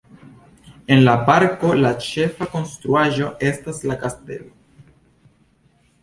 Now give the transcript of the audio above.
En la parko la ĉefa konstruaĵo estas la kastelo.